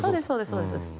そうです。